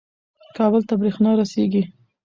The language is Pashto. کابل ته برېښنا رسیږي.